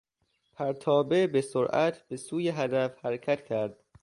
پرتابه به سرعت به سوی هدف حرکت کرد.